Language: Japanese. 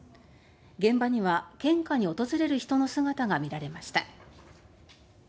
現場には献花に訪れる人の姿が見られました。